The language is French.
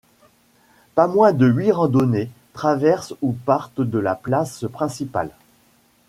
Pas moins de huit randonnées traversent ou partent de la place principale.